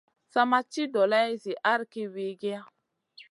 Sa ma ci dolay zi ahrki wiykiya.